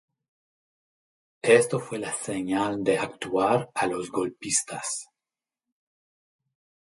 Esto fue la señal de actuar a los golpistas.